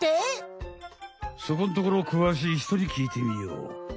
そこんところくわしいひとにきいてみよう。